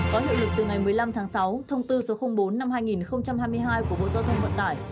có hiệu lực từ ngày một mươi năm tháng sáu thông tư số bốn năm hai nghìn hai mươi hai của bộ giao thông vận tải